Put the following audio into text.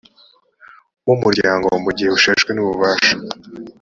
w umuryango mu gihe usheshwe n ububasha